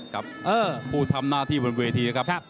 กับผู้ทำหน้าที่บนเวทีนะครับ